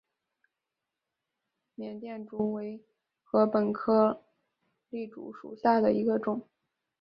缅甸竹为禾本科簕竹属下的一个种。